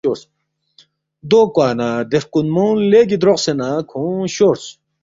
“ دو کوا نہ دے ہرکوُنمونگ لیگی دروقسے نہ کھونگ شورس